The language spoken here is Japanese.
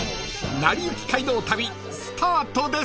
［『なりゆき街道旅』スタートです］